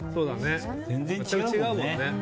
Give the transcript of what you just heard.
全然違うもんね。